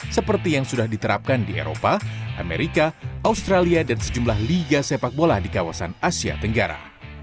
seperti yang sudah diterapkan di eropa amerika australia dan sejumlah liga sepak bola di kawasan asia tenggara